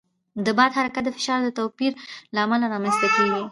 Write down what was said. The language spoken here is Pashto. د باد حرکت د فشار د توپیر له امله رامنځته کېږي.